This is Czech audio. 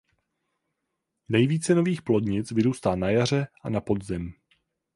Nejvíce nových plodnic vyrůstá na jaře a na podzim.